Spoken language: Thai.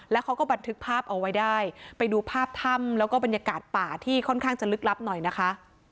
แล้วเขาก็บันทึกภาพเอาไว้ได้ไปดูภาพถ้ำแล้วก็บรรยากาศป่าที่ค่อนข้างจะลึกลับหน่อยนะคะ